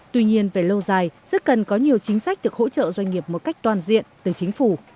tuy nhiên về lâu dài rất cần có nhiều chính sách được hỗ trợ doanh nghiệp một cách toàn diện từ chính phủ